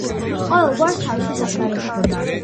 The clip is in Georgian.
ყოველ გვარს თავისი საყდარი ჰქონდა.